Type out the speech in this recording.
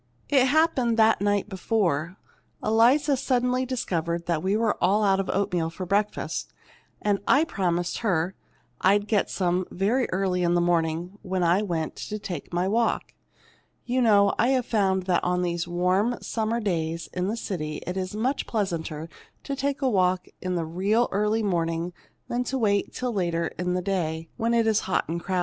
"It happened that the night before, Eliza suddenly discovered we were all out of oatmeal for breakfast, and I promised her I'd get some very early in the morning, when I went to take my walk. You know, I've found that on these warm summer days in the city it's much pleasanter to take a walk in the real early morning than to wait till later in the day, when it's crowded and hot.